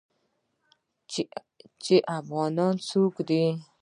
چې افغانان څوک دي.